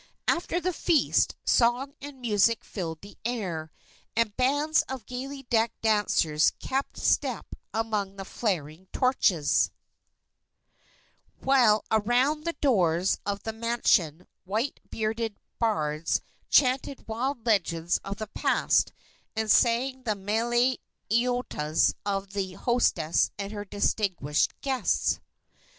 After the feast, song and music filled the air, and bands of gaily decked dancers kept step among the flaring torches, while around the doors of the mansion white bearded bards chanted wild legends of the past and sang the mele inoas of the hostess and her distinguished guests.